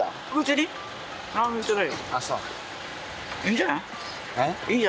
いいんじゃない？えっ？